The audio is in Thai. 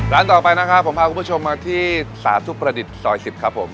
ร้านต่อไปนะครับผมพาคุณผู้ชมมาที่สาธุประดิษฐ์ซอย๑๐ครับผม